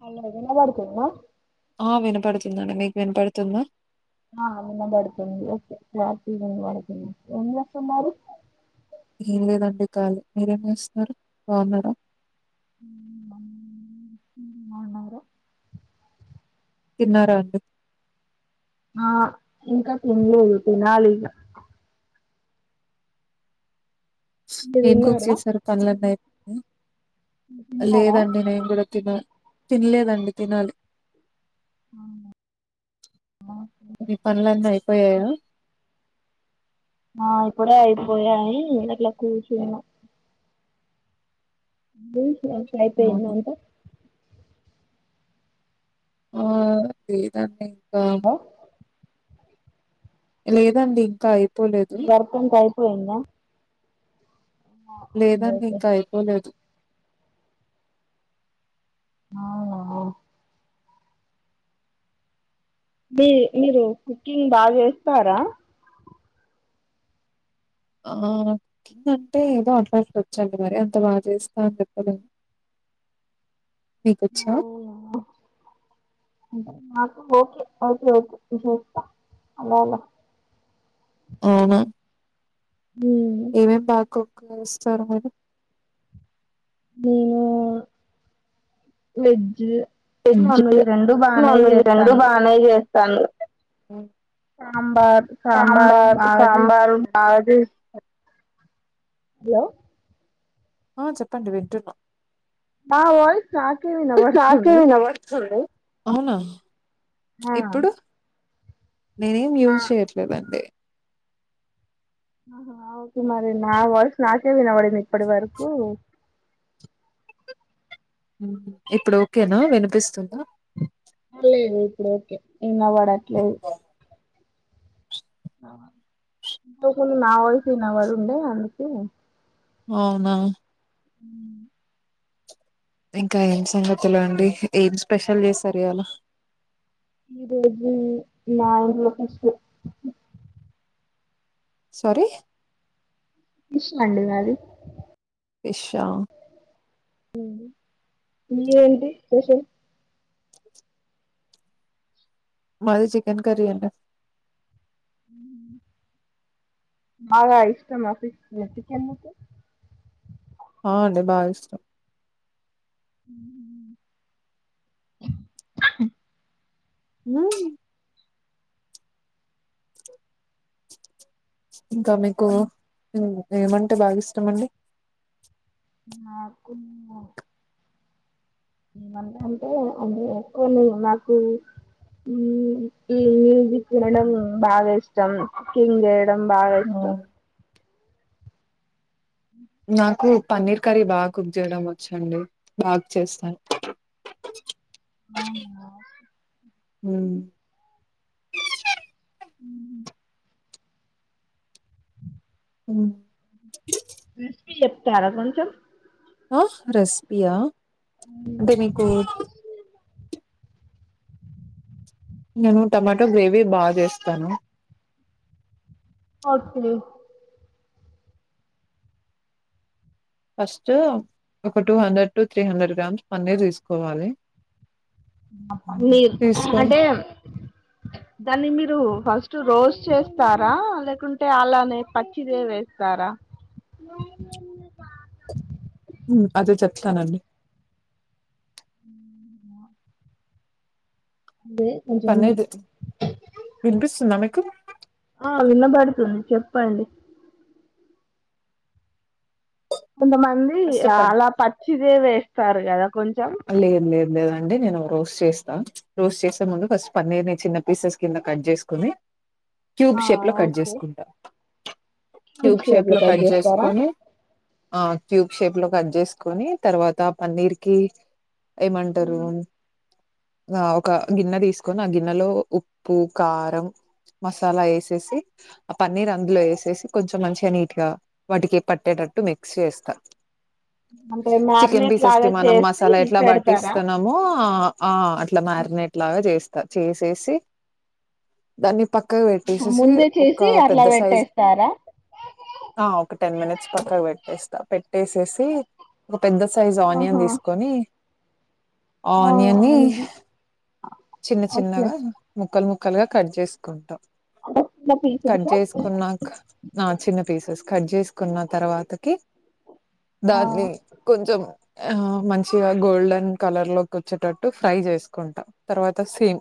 Hello వినబడుతుందా ఆ వినపడుతుందండి మీక్ వినపడుతుందా ఆ వినబడుతుంది ఒకే క్లార్ టీగా వినబడుతుంది ఎం జెస్తన్నారు ఏం లేదండి కలి మీరేం జెస్ న్నారు బాఉన్నార ఉ బమ్ ఉ బాఉన్నార తిన్నార అండి ఆ ఇంకా తిన్ లేదు తినాలి ఇగ మీరు ఏమ్ తిన్నారా కుక్ చేస్ నారు కల్ నల్ అయ్ ప్ ఊ తిన్నారా లేదండి నేన్ కూడా తిన తిన్ లేదండి తినాలి ఔనా పోయాయ ఆ ఇప్పుడే అయిపోయాయి గట్లా కూసున్న ఊక్ రా అయ్ పెయిన్ అవునా! దంట ఆ ఎతాండి ఆ లేదండి ఇంకా అయ్ ప్ వర్ కింక్ అయిపోయింద లేదండి ఇంకా అయిపోలేదు ఔన మీ మీరు కుకింగ్ బా జెస్తరా ఆ కుకింగ్ అంటే ఏదో అట్ లట్ వచ్ చండి మరే అంత బా చేస్త అన్ జెప్పలేన్ ఓ హో నాక్ ఓకే ఒకేఒకే విశేష్ త అలాలా ఔనా హ్మ్ ఏమేమ్ బాకుక్ ఎస్తారు మీరు నేను వేజు వేజ్జు య్ నాన్ వెజ్ రెండు బానే జెస్తాను సాంబార్ సాంబార్ బాగా సాంబార్ చేస్తాను బాజెస్ హలో ఆ చెప్పండి వింటున్నా నా వాయిస్ నాకే కాకె వినబడుతుంది వినబడుతుంది ఔనా ఆ ఇప్పుడు నేనేమ్ ఆ యూజ్ చేయట్లేదండి ఆహా ఓకే మరి నా వాయిసు నాకే వినబడింది ఇప్పడి వరకు ఉ ఇప్పుడు ఓకేనా వినిపిస్తుందా లేదు ఇప్పుడు ఓకే ఇన్న పడట్లేదు ఇందాక్లు నా వాయిసే వినబడు ఉండే అందుకు అవునా ఊ ఇంకా ఏం సంగతులు అండి ఏం స్పెషల్ చేశారు ఇయలా ఈ రోజు మా ఇంట్లో ఫిష్ సారి ఫిష్ అండి మాది ఫిషా అండి మీ ఏంటి స్పెషల్ మాది చికెన్ కర్రి అండి బాగా ఇష్టమా ఫిష్ చికెను ముక్కలు ఆ అండి బాగా ఇష్టం ఊ ఇంకా మీకు ఏమంటే బాగా ఇష్టమండి నాకు న ఏమంటాటే అంటే ఎక్కువలేదు నాకు ఈ మ్యూజిక్ వినడం బాగా ఇష్టం కుకింగ్ చేయడం బాగా ఇష్ ష్టం నాకు పన్నీర్ కర్రీ బా కుక్ చేయడం వచ్చండి బాగ్ చేస్తాను అవునా ఉమ్ ఉ ఉ చెప్తార కొంచం ఆ రెస్పియా ఉమ్ నేను టమాటో గ్రేవీ బా చేస్తాను ఒకే ఫస్టు ఒక two hundred to three hundred grams paneer తీసుకోవాలి మీ తీసుకొని అంటే దాన్ని మీర్ రు ఫస్ట్ రోస్ట్ చేస్తారా లేకుంటే అలానే పచ్చిదే వేస్తారా ఉ అదే చెప్తానండి అదే కొంచం పన్నీర్ వినిపిస్తుందా మీకు ఆ వినబడుతుంది చెప్పండి కొంతమంది ఫస్ట్ చెప్పండి. అలా పచ్చిదే వేస్తారు కదా కొంచెం అ లేద్ లేద్ లేదం అండి నేను రోస్ట్ చేస్తా రోస్ట్ చేసే ముందు ఫస్ట్ పన్నీర్ ని చిన్న పీసెస్ కింద కట్ చేసుకుని క్యూబ్ ఆ షేప్ లో కట్ ఓకే చేసుకుంటా క్యూబ్ షేప్ లో కట్ చేసుకొని ఆ ట్యూబ్ షేప్ లో కట్ చేసుకొని తర్వాత పన్నీర్ కి ఏమంటరు ఆ ఒక గిన్నె తీసుకొని ఆ గిన్నెలో ఉప్పు కారం మసాలా ఎసేసి ఆ పన్నీర్ అందులో ఎసేసి కొంచం మంచిగా నీట్ గా వాటికి పట్టేట్ టట్టు మిక్స్ చేస్తా అంటే చికెన్ మ్యారినేట్ బిసెస్ కి లాగా మనం చేసి మసాలా ఏట్ పెడతారా బట్టిస్తున్నామూ ఆ అట్లా మారినేట్ లాగా చెస్ చేసేసి దాన్ని పక్కకు పెట్టేసేసి ముందే ఒక చేసి అట్లా పెద్ద సైజ్ పెట్టేస్తారా ఆ ఒక టెన్ మినిట్స్ పక్కక్ పెట్టేస్తా పెట్టేసేసి ఒక పెద్ద సైజ్ ఆనియన్ ఆహా తీసుకొని ఆ ఆనియన్ని ఆనియన్ చిన్న ఓకే చిన్నగా ముక్కలు ముక్ క్కలుగా కట్ చేసుకుంటా అంటే చిన్న కట్ పీసెసా చేసుకున్నాక ఆ చిన్న పీసెస్ కట్ చేసుకున్న తర్వాతకి ఆ దాన్ని కొంచం ఆ మంచి ఇగ గోల్డెన్ కలర్ లోకి వచ్చేటట్టు ఫ్రై చేసుకుంటాం తర్వాత సేమ్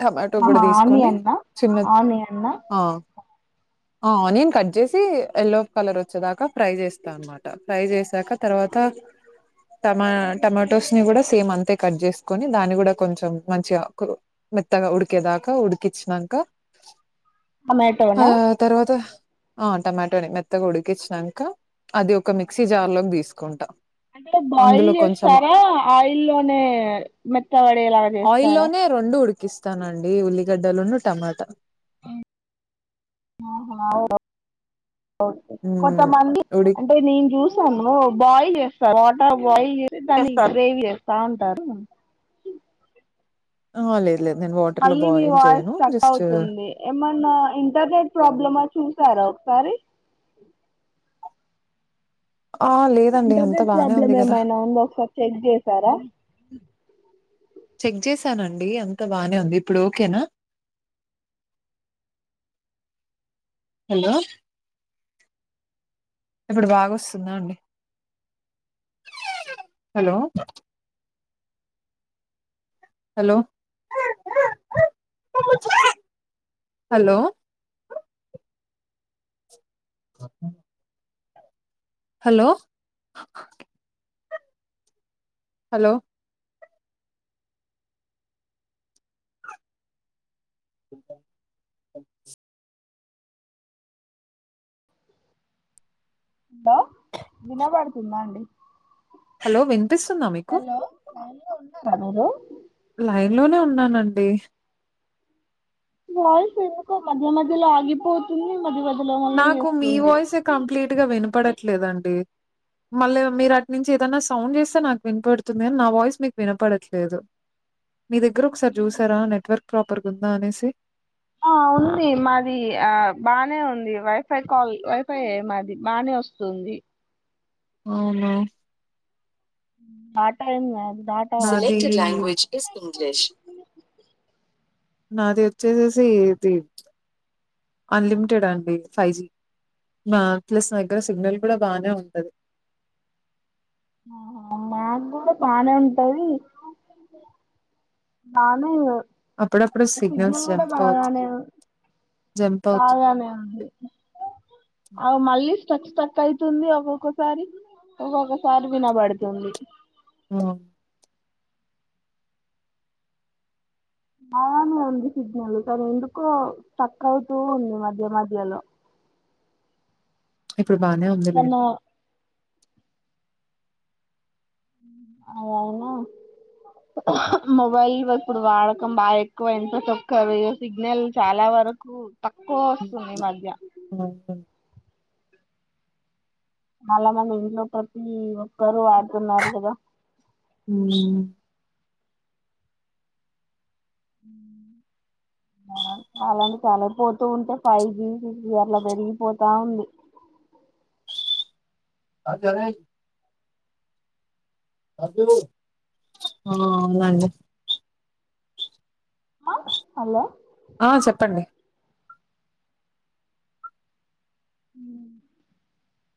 టమాటో గుడా ఆహా తీసుకొని ఆనియన్నా చిన్నద్ ఆనియన్నా ఆ ఆ ఆనియన్ కట్ చేసి ఎల్లో కలర్ వచ్చేదాకా ఫ్రై చేస్తా అనమాట ఫ్రై చేసాక తర్వాత టమా టమాటోస్ ని గుడా సేమ్ అంతే కట్ చేసుకొని దాన్ని గుడా కొంచెం మంచిగా కు మెత్తగా ఉడికేదా కు ఉడికిచ్చినంక ఆ టమాటోనా తర్వాత ఆ టమాటో నే మెత్తగా ఉడికించినంక అది ఒక మిక్సీ జార్ లోకి తీసుకుంటా అందులో కొంచెం సరే ఆయిల్ లోనే మెత్తబడె లాగా చేస్తారా ఆయిల్లోనే రెండు ఉడికిస్తానండి ఉల్లిగడ్డలును టమాట ఆహా ఆ వొ ఓకే మ్మ్ కొంతమంది ఉడి అంటే నేను చూసాను బాయిల్ చేస్తారు వాటర్ బాయిల్ చేసి దాన్ని గ్రేవీ చేస్తా ఉంటారు ఆ లేదు లేదు నేను వాటర్ లో మళ్ళీ మీ బాయిల్ వాయిస్ చేయను స్ట్రక్ జస్ట్ అవుతుంది ఏమన్నా ఇంటర్నెట్ ప్రాబ్లమ చూసారా ఒక సారి ఆ లేదండి అంత ఇంటర్నెట్ బానే ప్రాబ్లమ్ ఉంది కదా ఏమైనా ఉందా ఒకసారి చెక్ చేసారా చెక్ చేసానండి అంత బానే ఉంది ఇప్పుడు ఓకేనా హలో ఇప్పుడు బాగొస్తుందా అండి hello hello hello hello hello లో వినబడుతుందా అండి హలో వినిపిస్తుందా మీకు అ మీరు లైన్ లోనే ఉన్నానండి వాయిస్ ఎందుకో మధ్య మధ్యల ఆగిపోతుంది మధ్య మద్ నాకు మీ వాయిసే కంప్లీట్ గా వినపడట్లేదు అండి మళ్ళీ మీరు అటు నుంచి ఏదన్నా సౌండ్ చేస్తే నాకు వినపడుతుంది అని నా వాయిస్ మీకు వినపడట్లేదు మీ దగ్గర ఒకసారి చూసారా నెట్వర్క్ ప్రాపర్గా ఉందా అనేసి ఆ ఉంది మాది ఆ బానే ఉంది వైఫై కాల్ వైఫై ఎ మాది బానే వస్తుంది అవునా ఆట ఏం కాదు డాటా నాది కాదు నాది ఒచ్చేసేసి ఇది అన్లిమిటెడా అండి ఫైవ్ జీ నా ప్లస్ నా దగ్గర సిగ్నల్ కూడా బానే ఉంటది ఆహ మాకు కూడా బానే ఉంటది బాను అప్పుడప్పుడు సిగ్నల్స్ సిగ్నల్ కూడ జంప్ అవుత్ బాగానే జంప్ అవుతుంది. బాగానే ఉంది అవ్ మళ్ళీ తట్టు తటైతుంది ఒకొక్కసారి ఒక్కొక్కసారి ఒక్కొక్కసారి వినబడుతుంది నా బగనే ఉంది సిగ్నల్ కానీ ఎందుకో స్ట్రక్ అవుతూ ఉంది మధ్య మధ్యలో ఇప్పుడు బానే ఉందిలే దాన్ని అది అయినా మొబైల్ ఇప్పుడు వాడకం బాగ ఎక్కువైంది ప్రతి ఒక్కరు సిగ్నల్ చాలా వర్ రకు తక్కువ వస్తుంది ఈ మధ్య హ్మ్. హ్మ్. చాలా మంది ఇంట్లో ప్రతి ఒక్కరు వాడుతున్నారు కదా హ్మ్. చాలా [unintelligible] పోతూ ఉంటే ఫైవ్ జి సిక్స్ జి అట్లా పెరిగిపోతా ఉంది ఆ! ఆ అవునండి ఆ హలో ఆ చెప్పండి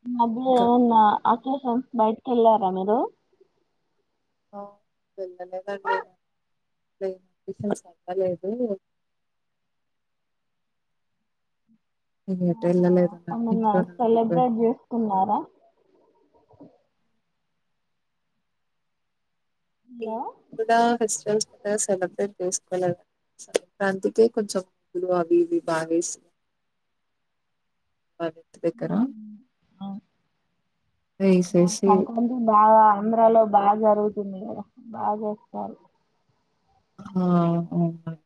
ఈ మద్యలో ఇంకా ఏమన్నా అకెషన్సకి బయట్కేళ్ళారా మీరు ఆ వెళ్లలేదండి [unintelligible] అవ్వలేదు నేను ఎటు ఆహా వెళ్ళలేదు ఏమ్మన్నా ఇంట్లోనే ఉండిపోయాను సెలబ్రేట్ చేసుకున్నారా ఎం హలో కూడ ఫెస్టివేల్స్ సెలబ్రేట్ చేసుకోలే సంక్రాంతికే కొంచెం ముగ్గులు అవి ఇవి బాగేసి మా ఇంటి దగ్గర ఆ, ఆ వేసేసి సంక్రాంతి కి బాగా ఆంధ్రాలో బాగ జరుగుతుంది కదా బాగా చేస్తారు ఆ [unintelligible]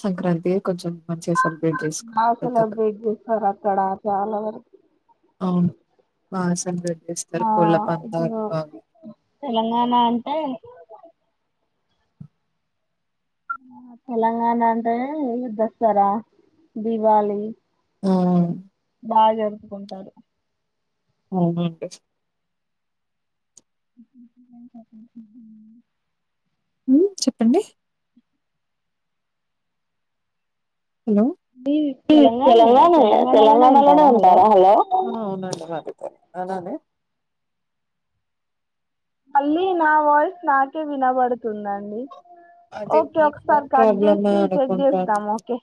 సంక్రాంతియే కొంచెం మంచిగా సెలబ్రేట్ చేసుకు బాగా పెద్దగా సెలబ్రేట్ చేస్తారు అక్కడ చాలా వరకు అవును బానే సెలెబ్రేట్ చేస్తారు ఆ కోళ్ల ఇప్పుడు పందలు తెలంగాణ అంటే తెలంగాణ అంటేనే దసరా దివాలి హుం బాగ జరుపుకుంటారు అవునండి హుమ్ చెప్పండి హలో టి తెలంగాణల తెలంగాణలోనే ఉంటారా హలో అలానే మళ్ళీ నా వాయిస్ నాకే వినబడుతుందండి అది ఓకే మీ ఒకసారి ఫోన్ కట్ ప్రాబ్లమే చేసి చెక్ అనుకుంటాను చేద్దాం ఓకే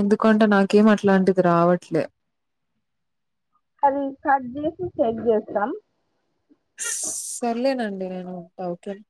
ఎందుకంటే నాకేం అట్లాంటిది రావట్లే అది కట్ జేసి చెక్ చేస్తాం సర్లేనండి నేను డౌకేన్